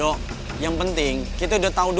orang mukanya gue kayak kenal ya